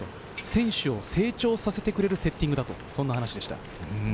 選手を成長させてくれるセッティングだと、そんな話でした。